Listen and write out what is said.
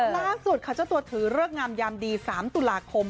ล่าสุดค่ะเจ้าตัวถือเลิกงามยามดี๓ตุลาคม